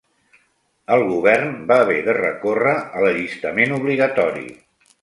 El Govern va haver de recórrer a l'allistament obligatori